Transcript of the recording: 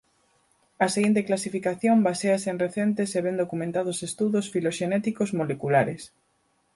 A seguinte clasificación baséase en recentes e ben documentados estudos filoxenéticos moleculares.